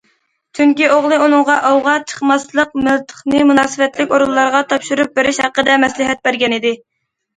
چۈنكى ئوغلى ئۇنىڭغا ئوۋغا چىقماسلىق، مىلتىقنى مۇناسىۋەتلىك ئورۇنلارغا تاپشۇرۇپ بېرىش ھەققىدە مەسلىھەت بەرگەنىدى.